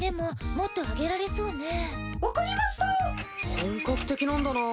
本格的なんだなぁ。